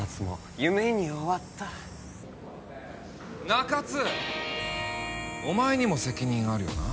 中津お前にも責任あるよな？